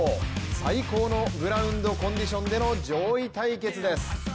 最高のグラウンドコンディションでの上位対決です。